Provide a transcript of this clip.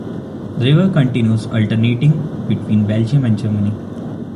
The river continues alternating between Belgium and Germany.